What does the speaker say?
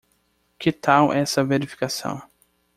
Que tal essa verificação?